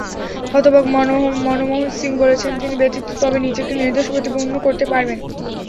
হতবাক মনমোহন সিং বলেছেন, তিনি ব্যথিত, তবে নিজেকে নির্দোষ প্রতিপন্ন করতে পারবেন।